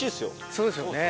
そうですよね。